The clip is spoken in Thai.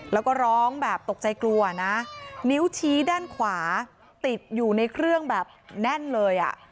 แล้วก็ร้องแบบตกใจกลัวนะนิ้วชี้ด้านขวาติดอยู่ในเครื่องแบบแน่นเลยอ่ะ